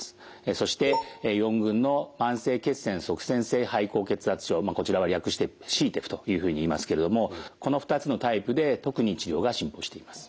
そして４群のこちらは略してＣＴＥＰＨというふうにいいますけれどもこの２つのタイプで特に治療が進歩しています。